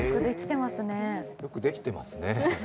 よくできてますね。